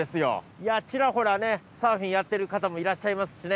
いやちらほらサーフィンやってる方もいらっしゃいますしね。